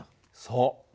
そう。